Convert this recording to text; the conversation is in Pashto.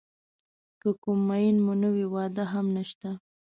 که کوم مېن مو نه وي واده هم نشته.